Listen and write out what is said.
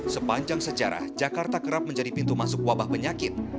sepanjang sejarah jakarta kerap menjadi pintu masuk wabah penyakit